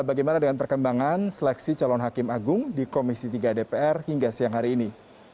bagaimana dengan perkembangan seleksi calon hakim agung di komisi tiga dpr hingga siang hari ini